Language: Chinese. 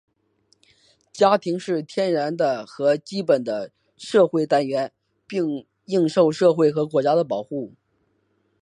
家庭是天然的和基本的社会单元,并应受社会和国家的保护。